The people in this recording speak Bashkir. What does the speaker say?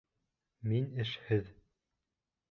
Мин эшһеҙ.